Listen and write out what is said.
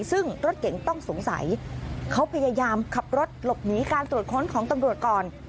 ซึ่งรถเก่งต้องสงสัยเขาพยายามขับรถหลบหนีการตรวจค้นของตำรวจก่อน